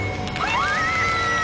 わ！